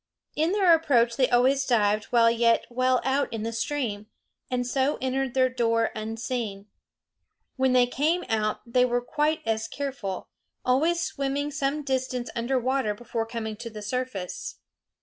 In their approach they always dived while yet well out in the stream, and so entered their door unseen. When they came out they were quite as careful, always swimming some distance under water before coming to the surface.